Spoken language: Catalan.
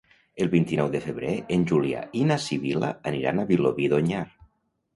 El vint-i-nou de febrer en Julià i na Sibil·la aniran a Vilobí d'Onyar.